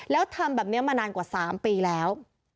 แล้วทำแบบนี้มานานกว่า๓ปีแล้ว